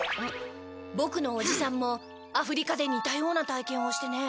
ボクのおじさんもアフリカで似たような体験をしてね。